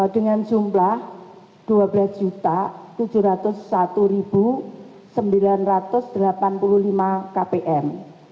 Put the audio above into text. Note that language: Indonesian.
dengan jumlah dua belas tujuh ratus satu sembilan ratus delapan puluh lima kpm